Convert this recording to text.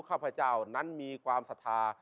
ข้าพเจ้านั้นมีความศรัทธา